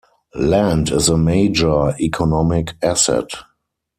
Land is a major economic asset.